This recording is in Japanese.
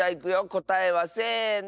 こたえはせの。